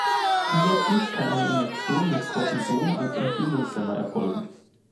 Zusätzlich kann eine Injektion mit Kortison als Entzündungshemmer erfolgen.